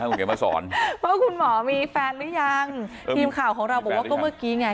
คุณเขียนมาสอนว่าคุณหมอมีแฟนหรือยังทีมข่าวของเราบอกว่าก็เมื่อกี้ไง